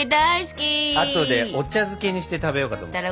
あとでお茶漬けにして食べようかと思って。